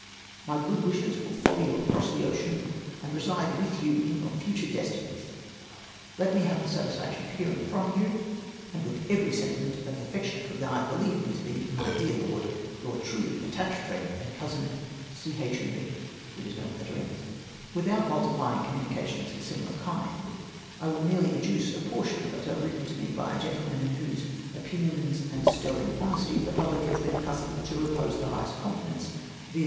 " My good wishes will follow you across the ocean, and re side with you in your future destinies. Let me have the satisfaction of hearing from you, and with every sentiment of affectionate regard, believe me to be, my dear lord, your truly attached friend and cousin, " C. H. AND B." MR. HUMES LETTER. 389 Without multiplying communications of a similar kind, I will merely adduce a portion of a letter written to me by a gentleman, in whose opinions and sterling honesty the pubhc has been accustomed to repose the highest confidence, viz.